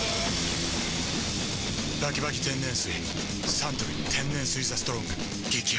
サントリー天然水「ＴＨＥＳＴＲＯＮＧ」激泡